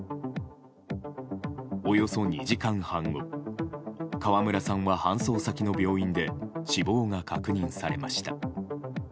およそ２時間半後川村さんは搬送先の病院で死亡が確認されました。